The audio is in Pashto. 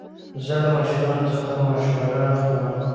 زه له مشرانو څخه مشوره اخلم.